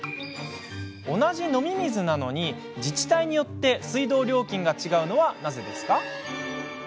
同じ飲み水なのに自治体によって水道料金が違うのはなぜですか？